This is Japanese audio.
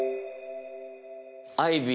アイビー